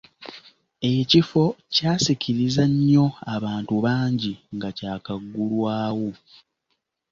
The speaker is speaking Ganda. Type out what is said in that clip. Ekifo kyasikiriza nnyo abantu bangi nga kyakagulwawo.